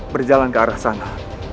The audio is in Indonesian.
berjalan ke arah sana